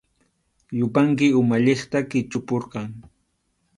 Yupanki umalliqta qichupurqan.